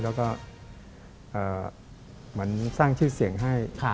แล้วก็เหมือนสร้างชื่อเสียงให้